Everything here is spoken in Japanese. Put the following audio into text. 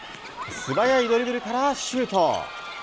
素早いドリブルからシュート。